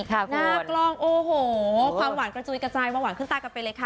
ในหน้ากล้องโอ้โหความหวานว่าจะอุยกระจายว่าคื้นตากันไปเลยค่ะ